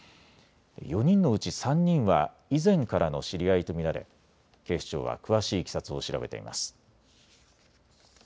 ４人のうち３人は以前からの知り合いと見られ警視庁は詳しいいきさつを調べています。